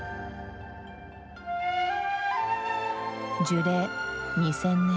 樹齢２０００年。